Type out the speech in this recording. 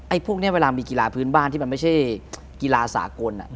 พวกนี้เวลามีกีฬาพื้นบ้านที่มันไม่ใช่กีฬาสากล